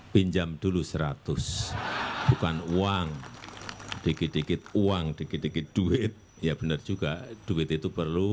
pinjam dulu seratus bukan uang dikit dikit uang dikit dikit duit ya benar juga duit itu perlu